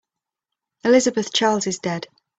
Elizabeth Charles is dead.